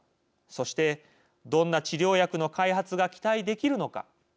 そして、どんな治療薬の開発が期待できるのか。